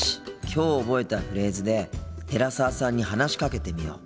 きょう覚えたフレーズで寺澤さんに話しかけてみよう。